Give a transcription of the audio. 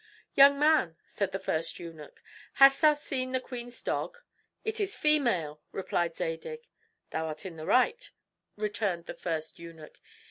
"Young man," said the first eunuch, "hast thou seen the queen's dog?" "It is a female," replied Zadig. "Thou art in the right," returned the first eunuch.